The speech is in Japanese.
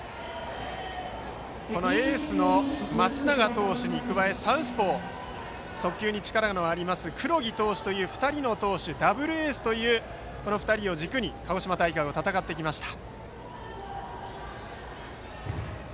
エースの松永投手に加えサウスポー、速球に力のあります黒木投手という２人の投手ダブルエースの２人を軸に鹿児島大会を戦ってきました。